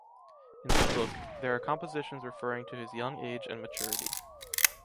In this book, there are compositions referring to his young age and maturity.